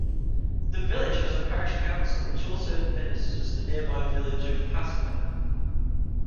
The village has a parish council, which also administers the nearby village of Passenham.